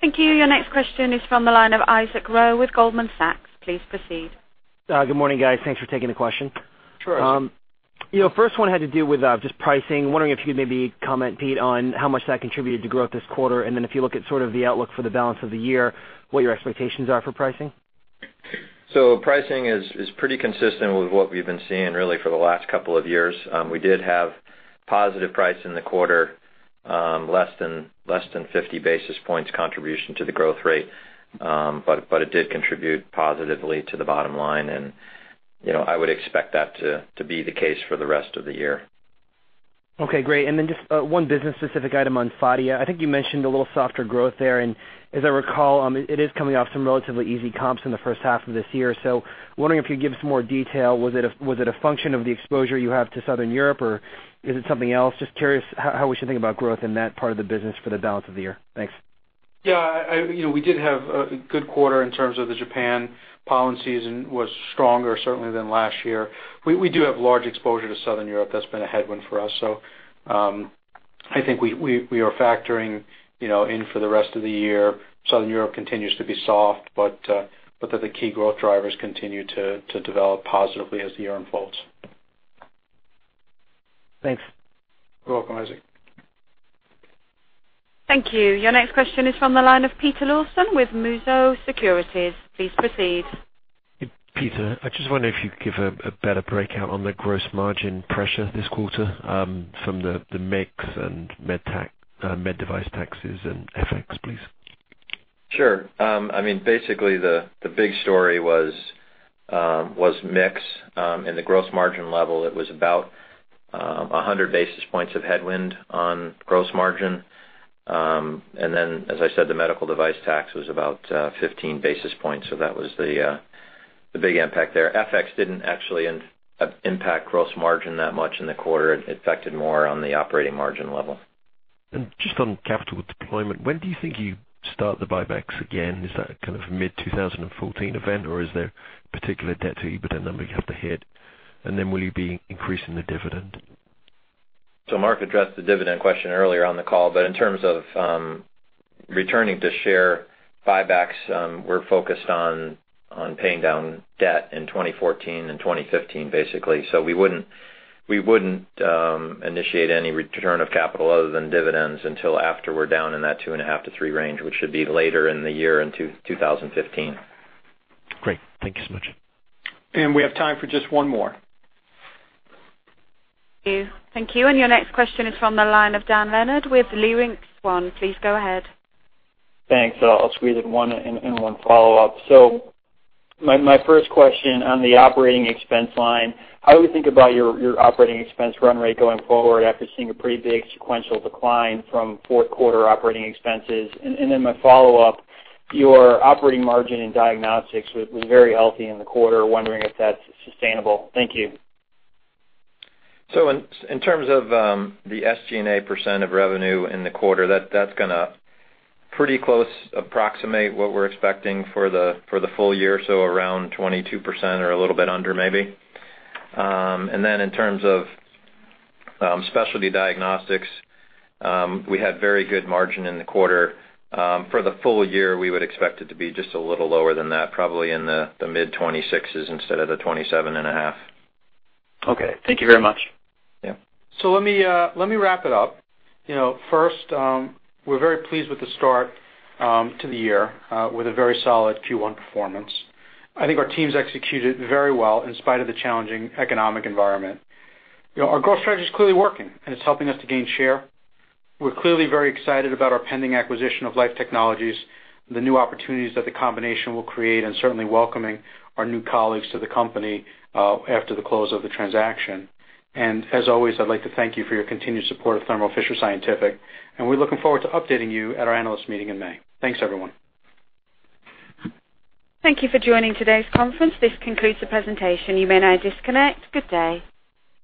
Thank you. Your next question is from the line of Isaac Ro with Goldman Sachs. Please proceed. Good morning, guys. Thanks for taking the question. Sure. First one had to do with just pricing. Wondering if you could maybe comment, Pete, on how much that contributed to growth this quarter, and then if you look at sort of the outlook for the balance of the year, what your expectations are for pricing. Pricing is pretty consistent with what we've been seeing really for the last couple of years. We did have positive price in the quarter, less than 50 basis points contribution to the growth rate. It did contribute positively to the bottom line, and I would expect that to be the case for the rest of the year. Okay, great. Just one business-specific item on Phadia. I think you mentioned a little softer growth there, and as I recall, it is coming off some relatively easy comps in the first half of this year. Wondering if you could give some more detail. Was it a function of the exposure you have to Southern Europe, or is it something else? Just curious how we should think about growth in that part of the business for the balance of the year. Thanks. Yeah. We did have a good quarter in terms of the Japan pollen season was stronger certainly than last year. We do have large exposure to Southern Europe. That's been a headwind for us. I think we are factoring in for the rest of the year. Southern Europe continues to be soft, but that the key growth drivers continue to develop positively as the year unfolds. Thanks. You're welcome, Isaac. Thank you. Your next question is from the line of Peter Lawson with Mizuho Securities. Please proceed. Peter. I just wonder if you could give a better breakout on the gross margin pressure this quarter from the mix and med device taxes and FX, please. Sure. Basically, the big story was mix in the gross margin level. It was about 100 basis points of headwind on gross margin. As I said, the medical device tax was about 15 basis points. That was the big impact there. FX didn't actually impact gross margin that much in the quarter. It affected more on the operating margin level. Just on capital deployment, when do you think you start the buybacks again? Is that a mid-2014 event, or is there particular debt to EBITDA number you have to hit? Will you be increasing the dividend? Marc addressed the dividend question earlier on the call, but in terms of returning to share buybacks, we're focused on paying down debt in 2014 and 2015, basically. We wouldn't initiate any return of capital other than dividends until after we're down in that two and a half to three range, which should be later in the year in 2015. Great. Thank you so much. We have time for just one more. Thank you. Your next question is from the line of Dan Leonard with Leerink Swann. Please go ahead. Thanks. I'll squeeze in one and one follow-up. My first question on the operating expense line, how do we think about your operating expense run rate going forward after seeing a pretty big sequential decline from fourth quarter operating expenses? My follow-up, your operating margin in diagnostics was very healthy in the quarter, wondering if that's sustainable. Thank you. In terms of the SG&A percent of revenue in the quarter, that's going to pretty close approximate what we're expecting for the full year, around 22% or a little bit under maybe. In terms of Specialty Diagnostics, we had very good margin in the quarter. For the full year, we would expect it to be just a little lower than that, probably in the mid 26s instead of the 27.5. Okay. Thank you very much. Yeah. Let me wrap it up. First, we're very pleased with the start to the year, with a very solid Q1 performance. I think our teams executed very well in spite of the challenging economic environment. Our growth strategy is clearly working, and it's helping us to gain share. We're clearly very excited about our pending acquisition of Life Technologies, the new opportunities that the combination will create, and certainly welcoming our new colleagues to the company after the close of the transaction. As always, I'd like to thank you for your continued support of Thermo Fisher Scientific. We're looking forward to updating you at our analyst meeting in May. Thanks, everyone. Thank you for joining today's conference. This concludes the presentation. You may now disconnect. Good day.